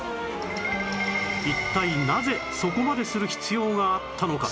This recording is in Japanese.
一体なぜそこまでする必要があったのか？